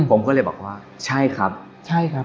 ผมก็เลยบอกว่าใช่ครับใช่ครับ